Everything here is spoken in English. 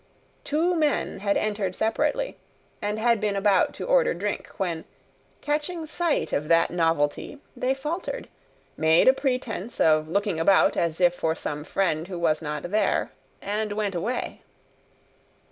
Two men had entered separately, and had been about to order drink, when, catching sight of that novelty, they faltered, made a pretence of looking about as if for some friend who was not there, and went away.